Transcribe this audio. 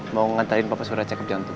mau ngantarin papa surya cekup jantung